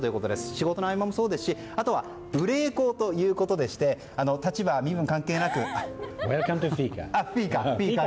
仕事の合間もそうですしあとは無礼講ということでウェルカム・トゥ・フィーカ！